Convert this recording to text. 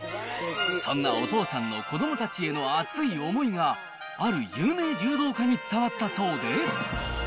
そんなお父さんの子どもたちへの熱い思いが、ある有名柔道家に伝わったそうで。